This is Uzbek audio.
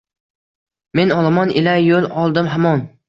Men olomon ila yo’l oldim hamon